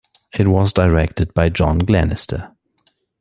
It was directed by John Glenister.